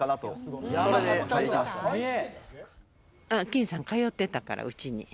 きんさん通ってたからうちに。